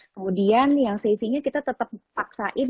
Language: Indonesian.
kemudian yang savingnya kita tetap paksain